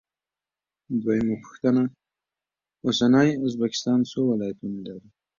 دویمه پوښتنه: اوسنی ازبکستان څو ولایتونه لري؟